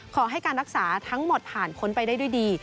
ขอให้การรักษาทั้งหมดผ่านพ้นไปได้ด้วยดี